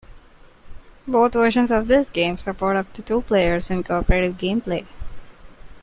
Both versions of this game support up to two players in cooperative gameplay.